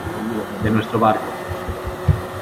de nuestro barco.